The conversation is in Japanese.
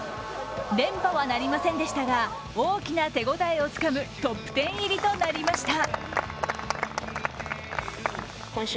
連覇はなりませんでしたが大きな手応えをつかむトップ１０入りとなりました。